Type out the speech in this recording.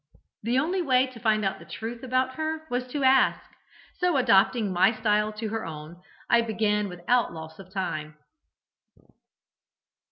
The only way to find out the truth about her was to ask, so, adopting my style to her own, I began without loss of time.